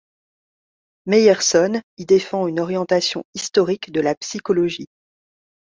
Meyerson y défend une orientation historique de la psychologie.